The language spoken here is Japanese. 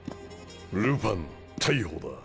ルパン逮捕だ。